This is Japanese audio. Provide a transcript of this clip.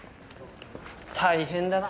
大変だな。